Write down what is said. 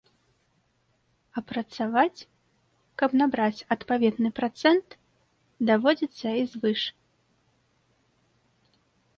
А працаваць, каб набраць адпаведны працэнт, даводзіцца і звыш.